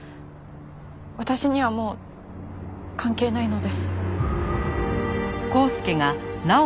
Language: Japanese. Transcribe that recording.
私にはもう関係ないので。